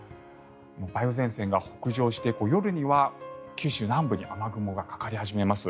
梅雨前線が北上して夜には九州南部に雨雲がかかり始めます。